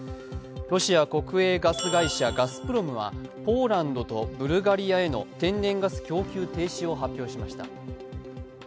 ロシア国営ガス会社ガスプロムはポーランドとブルガリアへの天然ガス供給停止を発表しました。